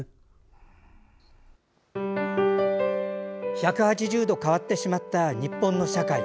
１８０度変わってしまった日本の社会。